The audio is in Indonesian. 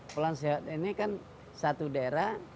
pulang sehat ini kan satu daerah